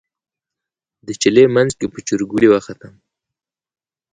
د چلې منځ کې په چورګوړي وختم.